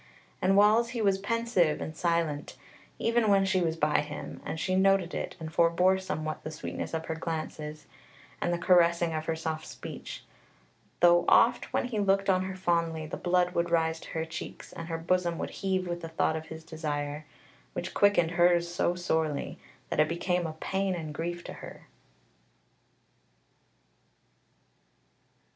And whiles he was pensive and silent, even when she was by him, and she noted it and forbore somewhat the sweetness of her glances, and the caressing of her soft speech: though oft when he looked on her fondly, the blood would rise to her cheeks, and her bosom would heave with the thought of his desire, which quickened hers so sorely, that it became a pain and grief to her.